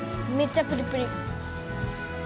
めっちゃプリプリ。